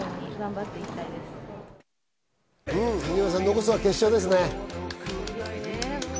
残すは決勝ですね。